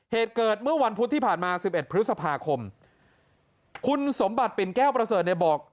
เหตุเกิดเมื่อวันพุธที่ผ่านมาสิบเอ็ดพฤษภาคมคุณสมบัติปิ่นแก้วประเสริฐเนี่ยบอก